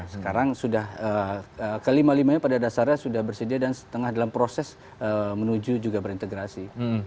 sekarang sudah kelima limanya pada dasarnya sudah bersedia dan setengah dalam proses menuju juga berintegrasi